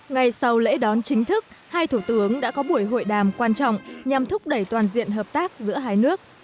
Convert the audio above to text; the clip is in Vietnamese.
ngay sau lễ đón chính thức hai thủ tướng đã có buổi hội đàm quan trọng nhằm thúc đẩy toàn diện hợp tác giữa hai nước